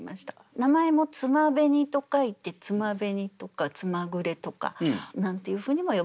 名前も「爪紅」と書いて「つまべに」とか「つまぐれ」とかなんていうふうにも呼ばれています。